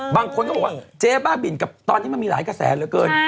บางคนก็บอกว่าเจ๊บ้าบินกับตอนนี้มันมีหลายกระแสเหลือเกิน